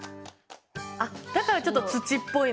だからちょっと土っぽいのかな？